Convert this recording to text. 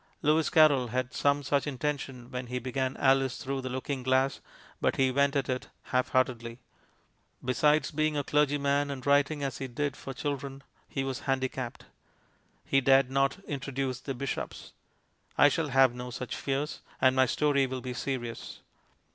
Lewis Carroll had some such intention when he began Alice Through the Looking Glass, but he went at it half heartedly. Besides, being a clergyman and writing as he did for children, he was handicapped; he dared not introduce the bishops. I shall have no such fears, and my story will be serious.